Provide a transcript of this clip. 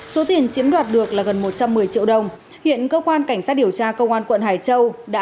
số tiền chiếm đoạt được là gần một trăm một mươi triệu đồng hiện cơ quan cảnh sát điều tra công an quận hải châu đã